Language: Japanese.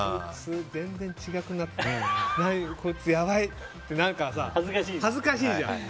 全然違くない？ってこいつやばいってなるからさ恥ずかしいじゃん。